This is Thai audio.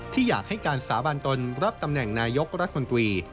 ที่อยากให้การสาบานตนรับตำแหน่งนายกรัฐมนตรี